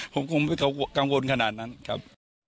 ผมคงไม่ต้องกังวลขนาดนั้นครับ